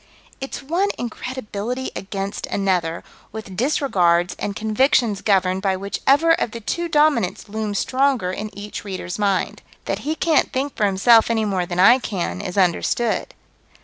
It's one incredibility against another, with disregards and convictions governed by whichever of the two Dominants looms stronger in each reader's mind. That he can't think for himself any more than I can is understood.